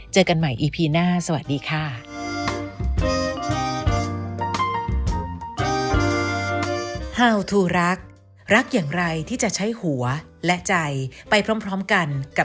เจอกันใหม่อีพีหน้าสวัสดีค่ะ